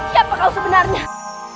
siapa kau sebenarnya